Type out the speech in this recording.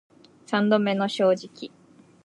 三度目の正直